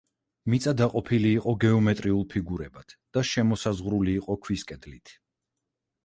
მიწა დაყოფილი იყო გეომეტრიულ ფიგურებად და შემოსაზღვრული იყო ქვის კედლით.